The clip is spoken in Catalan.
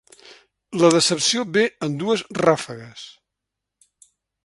La decepció ve en dues ràfegues.